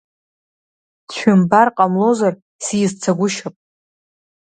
Дшәымбар ҟамлозар, сизцагәышьап…